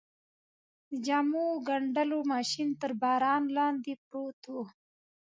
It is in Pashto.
د جامو ګنډلو ماشین تر باران لاندې پروت و.